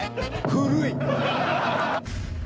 古い。